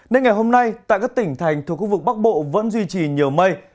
nên ngày hôm nay tại các tỉnh thành thuộc khu vực bắc bộ vẫn duy trì nhiều mây